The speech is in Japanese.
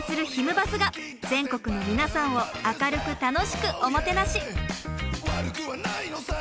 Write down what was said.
バスが全国の皆さんを明るく楽しくおもてなし。